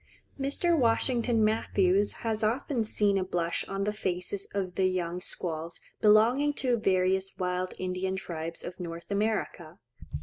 Mr. Washington Matthews has often seen a blush on the faces of the young squaws belonging to various wild Indian tribes of North America.